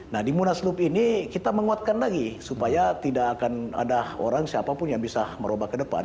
nah di munaslup ini kita menguatkan lagi supaya tidak akan ada orang siapapun yang bisa merubah ke depan